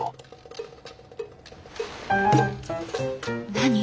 何？